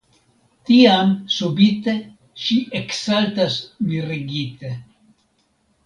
Tiam subite ŝi eksaltas mirigite.